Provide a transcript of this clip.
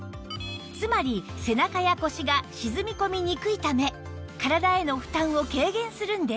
つまり背中や腰が沈み込みにくいため体への負担を軽減するんです